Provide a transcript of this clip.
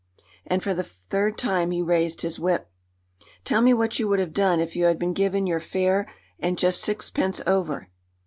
And for the third time he raised his whip. "Tell me what you would have done if you had been given your fare and just sixpence over?"